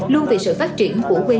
luôn vì sự phát triển của quê hương